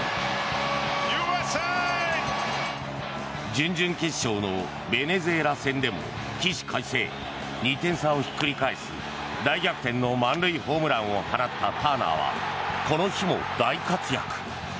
準々決勝のベネズエラ戦でも起死回生、２点差をひっくり返す大逆転の満塁ホームランを放ったターナーはこの日も大活躍。